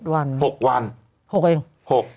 ๗วัน๖วัน๖อีก๖